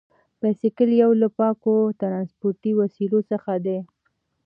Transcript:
بایسکل یو له پاکو ترانسپورتي وسیلو څخه دی.